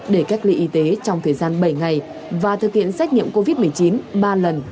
để cách ly y tế trong thời gian bảy ngày và thực hiện xét nghiệm covid một mươi chín ba lần